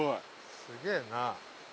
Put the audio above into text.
・すげえな。